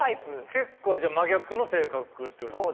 結構じゃあ真逆の性格ってことですか？